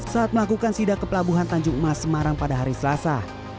saat melakukan sida ke pelabuhan tanjung emas semarang pada hari selasa